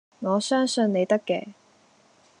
我相信你得嘅